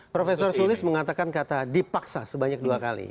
profesor sulis mengatakan kata dipaksa sebanyak dua kali